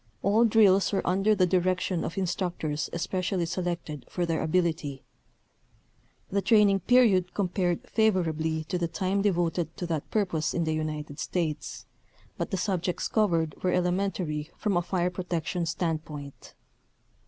All drills were under the direction of instructors especially selected for their ability. The train ing period compared favorably to the time de voted to that purpose in the United States, but the subjects covered were elementary from a fire protection standpoint.